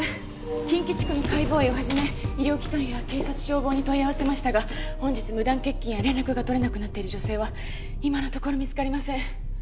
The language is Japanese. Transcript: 近畿地区の解剖医を始め医療機関や警察・消防に問い合わせましたが本日無断欠勤や連絡が取れなくなっている女性は今のところ見つかりません。